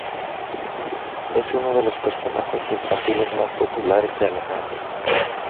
Es uno de los personajes infantiles más populares de Alemania.